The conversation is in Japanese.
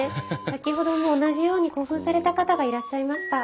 先ほども同じように興奮された方がいらっしゃいました。